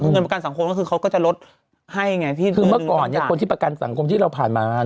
เงินประกันสังคมก็คือเขาก็จะลดให้ไงพี่คือเมื่อก่อนเนี้ยคนที่ประกันสังคมที่เราผ่านมา